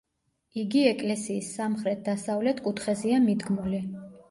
იგი ეკლესიის სამხრეთ-დასავლეთ კუთხეზეა მიდგმული.